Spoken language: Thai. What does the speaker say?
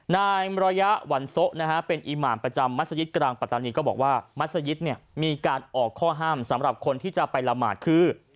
นายมรยะหวันโซะนะฮะเป็นอีหมานประจำมัศยิตกลางปัตตานีก็บอกว่ามัศยิตเนี่ยมีการออกข้อห้ามสำหรับคนที่จะไปละหมาดคือ